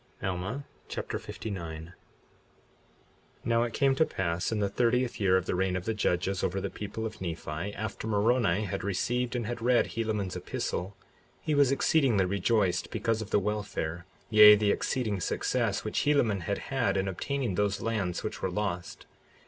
Alma Chapter 59 59:1 Now it came to pass in the thirtieth year of the reign of the judges over the people of Nephi, after Moroni had received and had read Helaman's epistle, he was exceedingly rejoiced because of the welfare, yea, the exceeding success which Helaman had had, in obtaining those lands which were lost.